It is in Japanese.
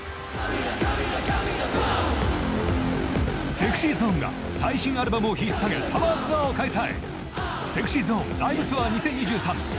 ＳｅｘｙＺｏｎｅが最新アルバムをひっさげサマーツアーを開催！